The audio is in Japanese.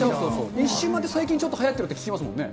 １周回って最近ちょっとはやってるって聞きますよね。